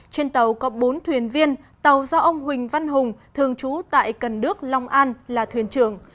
trên tàu có bốn thuyền viên tàu do ông huỳnh văn hùng thường trú tại cần đức long an là thuyền trưởng